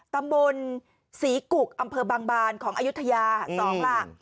ตำบลศรีกุกอำเภอบางบานของอายุทยา๒หลัก